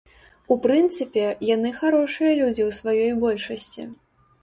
У прынцыпе, яны харошыя людзі ў сваёй большасці.